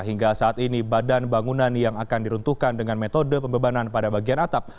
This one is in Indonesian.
hingga saat ini badan bangunan yang akan diruntuhkan dengan metode pembebanan pada bagian atap